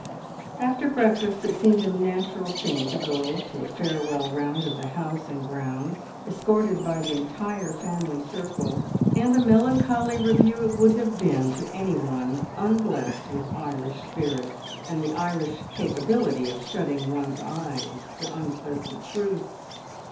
After breakfast it seemed a natural thing to go a farewell round of the house and grounds, escorted by the entire family circle, and a melancholy review it would have been to anyone unblessed with Irish spirits, and the Irish capability of shutting one's eyes to unpleasant truths.